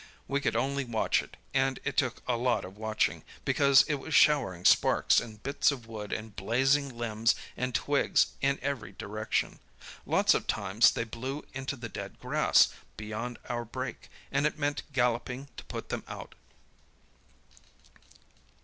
We could only watch it, and it took a lot of watching, because it was showering sparks and bits of wood, and blazing limbs and twigs in every direction. Lots of times they blew into the dead grass beyond our break, and it meant galloping to put them out.